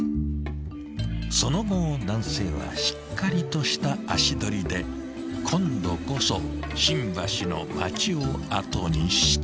［その後男性はしっかりとした足取りで今度こそ新橋の街を後にした］